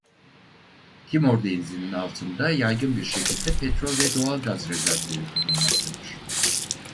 Timor Denizi'nin altında yaygın bir şekilde petrol ve doğal gaz rezervleri bulunmaktadır.